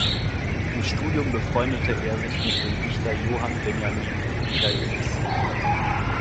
Im Studium befreundete er sich mit dem Dichter Johann Benjamin Michaelis.